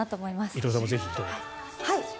伊藤さんもぜひ一言。